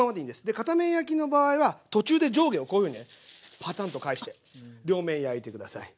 で片面焼きの場合は途中で上下をこういうふうにねパタンと返して両面焼いて下さい。